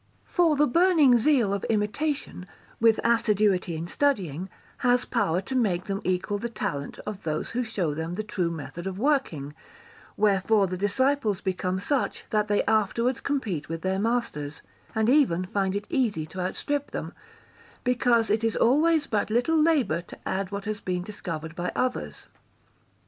For the burning zeal of imitation, with assiduity in studying, has power to make them equal the talent of those who show them the true method of working; wherefore the disciples become such that they afterwards compete with their masters, and even find it easy to outstrip them, because it is always but little labour to add to what has been discovered by others.